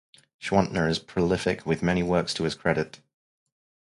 Schwantner is prolific, with many works to his credit.